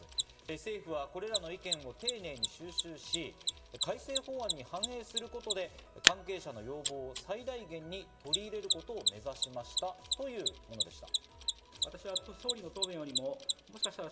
政府は、これらの意見を丁寧に収集し、改正法案に反映することで関係者の要望を最大限に取り入れることを目指しました、というものでした。